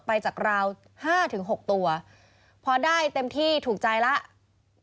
ไปจากราว๕๖ตัวพอได้เต็มที่ถูกใจแล้ว